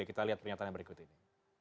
kita lihat pernyataan berikut ini